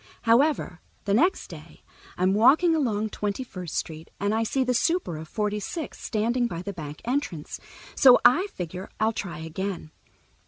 However, the next day I'm walking along Twenty first Street and I see the super of Forty six standing by the back entrance, so I figure I'll try again.